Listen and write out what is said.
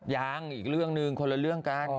ยังอีกเรื่องหนึ่งคนละเรื่องกัน